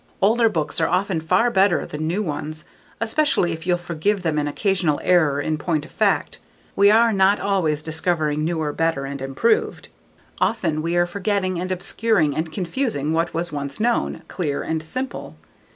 Older books are often far better than new ones, especially if you'll forgive them an occasional error in point of fact. We are not always discovering newer, better, and improved. Often we are forgetting and obscuring and confusing what was once known, clear and simple.